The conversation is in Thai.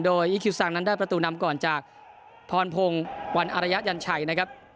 โดยอิคคิวสังนั้นได้ประตูนำก่อนจากพรพงษ์วรรยะยันไชนะครับ